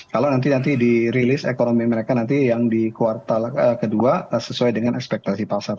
kalau nanti nanti di rilis ekonomi mereka nanti yang di kuartal ke dua sesuai dengan ekspektasi pasar